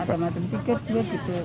ada macam tiket gue gitu